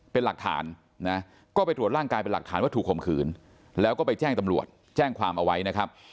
เป็นหลักฐานนะก็ไปตรวจร่างกายเป็นหลักฐานว่าถูกข่มขืนแล้วก็ไปแจ้งตำรวจแจ้งความเอาไว้นะครับ